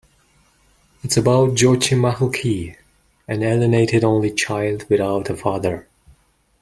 It is about Joachim Mahlke, an alienated only child without a father.